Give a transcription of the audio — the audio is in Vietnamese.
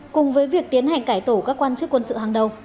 cùng với việc tiến hành cải tổ các quan chức quân sự hàng đầu